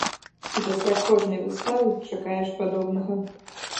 І пасля кожнай выставы чакаеш падобнага.